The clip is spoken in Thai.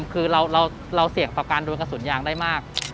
คือเราเสี่ยงต่อการโดนกระสุนยางได้มาก